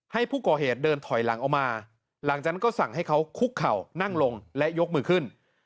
ให้ผู้ก่อเหตุเดินถอยหลังออกมาหลังจากนั้นก็สั่งให้เขาคุกเข่านั่งลงและยกมือขึ้น